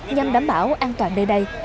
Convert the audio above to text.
nhằm đảm bảo an toàn đây đây